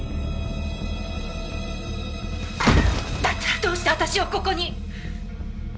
だったらどうして私をここに！？